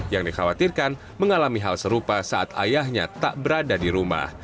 yang dikhawatirkan mengalami hal serupa saat ayahnya tak berada di rumah